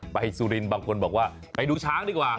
สุรินทร์บางคนบอกว่าไปดูช้างดีกว่า